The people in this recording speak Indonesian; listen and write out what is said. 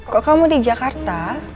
kok kamu di jakarta